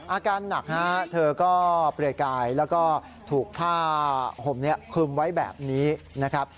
อาการหนักฮะเธอก็เปลือยกายแล้วก็ถูกผ้าห่มนี้คลุมไว้แบบนี้นะครับ